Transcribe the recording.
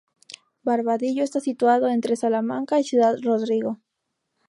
Barbadillo está situado entre Salamanca y Ciudad Rodrigo.